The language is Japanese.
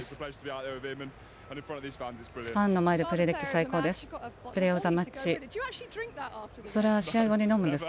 ファンの前でプレーできて最高です。